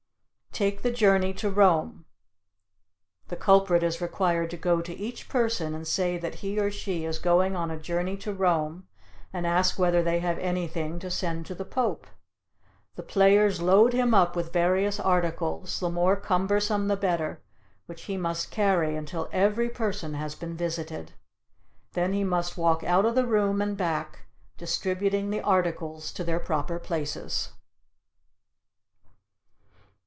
Take the Journey to Rome. The culprit is required to go to each person and say that he or she is going on a journey to Rome and ask whether they have anything to send to the Pope. The players load him up with various articles, the more cumbersome the better, which he must carry until every person has been visited. Then he must walk out of the room and back, distributing the articles to their proper places.